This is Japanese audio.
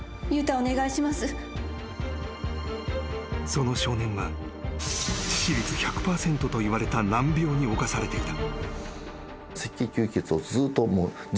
［その少年は致死率１００％といわれた難病に侵されていた］